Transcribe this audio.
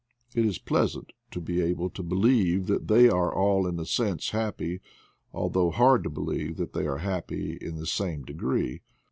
It is pleasant to be able to believe that they are all in a sense happy, al though hard to believe that they are happy in the same degree.